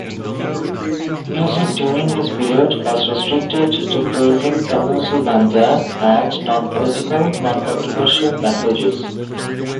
Music during this period was restricted to praising Kamuzu Banda and non-political, non-controversial messages.